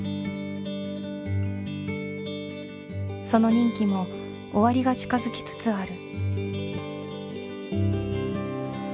その任期も終わりが近づきつつある。